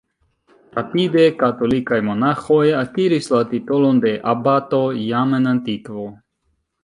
Rapide, katolikaj monaĥoj akiris la titolon de "abato", jam en antikvo.